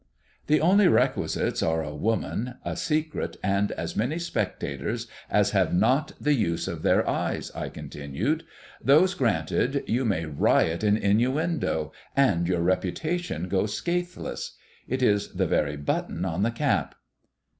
"The only requisites are a woman, a secret, and as many spectators as have not the use of their eyes," I continued; "those granted, you may riot in innuendo, and your reputation go scatheless. It is the very button on the cap."